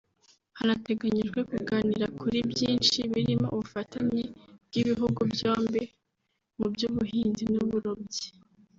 hanateganyijwe kuganira kuri byinshi birimo ubufatanye bw’ibihugu byombi mu by’ubuhinzi n’uburobyi